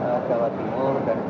dalam penyampaian industri dan industri